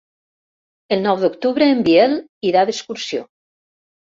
El nou d'octubre en Biel irà d'excursió.